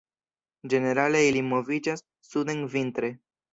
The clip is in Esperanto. Ĝenerale ili moviĝas suden vintre.